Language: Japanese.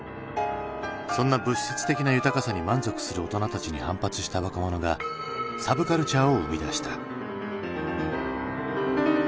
そんな物質的な豊かさに満足する大人たちに反発した若者がサブカルチャーを生み出した。